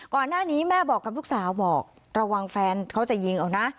ก่อนหน้านี้แม่บอกกับลูกสาวบอกระวังแฟนเขาจะยิงเอานะ